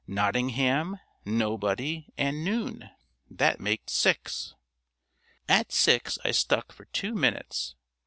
"Nottingham, Nobody and Noon. That makes six." At six I stuck for two minutes.